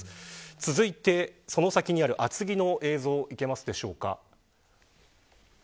続いて、その先にある厚木の映像いけますでしょうか。